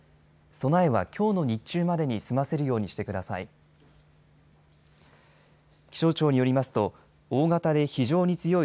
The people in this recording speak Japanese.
備えはきょうの日中までに済ませるようにしてください。